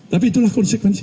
tapi itulah konsekuensi